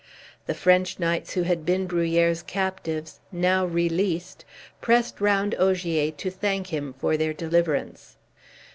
The French knights who had been Bruhier's captives, now released, pressed round Ogier to thank him for their deliverance.